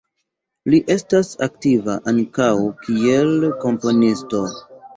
Li estas aktiva ankaŭ, kiel komponisto.